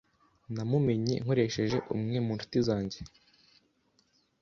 Namumenye nkoresheje umwe mu nshuti zanjye.